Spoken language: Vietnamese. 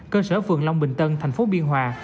cơ sở phường long bình tân thành phố biên hòa